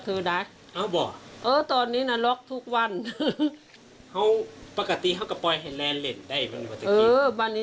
เขาต้องออกหาด้านมัน